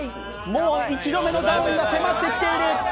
もう１度目のダウンが迫ってきている。